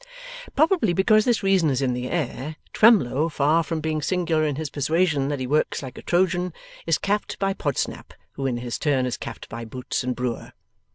Probably because this reason is in the air, Twemlow, far from being singular in his persuasion that he works like a Trojan, is capped by Podsnap, who in his turn is capped by Boots and Brewer.